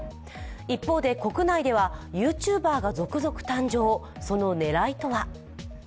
一方で、国内ではＹｏｕＴｕｂｅｒが続々誕生その狙いとは？